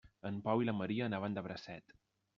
En Pau i la Maria anaven de bracet.